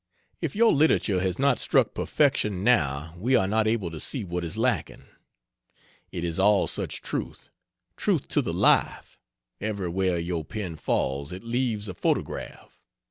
If your literature has not struck perfection now we are not able to see what is lacking. It is all such truth truth to the life; every where your pen falls it leaves a photograph.